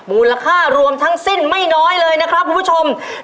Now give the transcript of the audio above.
มูลค่ารวมทั้งสิ้นไม่น้อยเลยนะครับคุณผู้ชม